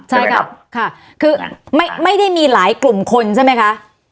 ใช่ครับค่ะคือไม่ได้มีหลายกลุ่มคนใช่ไหมคะ